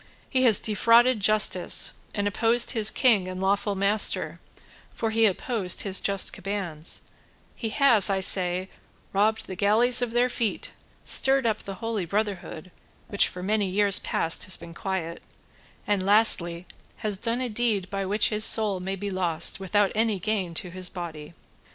He has defrauded justice, and opposed his king and lawful master, for he opposed his just commands; he has, I say, robbed the galleys of their feet, stirred up the Holy Brotherhood which for many years past has been quiet, and, lastly, has done a deed by which his soul may be lost without any gain to his body."